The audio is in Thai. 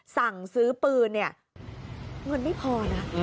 สั่งซื้อปืนเนี่ยเงินไม่พอนะ